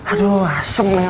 aduh asem mel